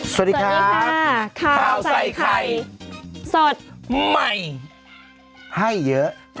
สวัสดีครับข้าวใส่ไข่สดใหม่ให้เยอะ